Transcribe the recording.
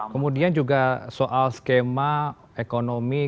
kemudian juga soal skema ekonomi